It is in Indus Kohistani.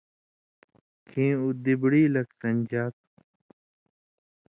کھیں اُو دِبڑی لک سݩدژا تُھو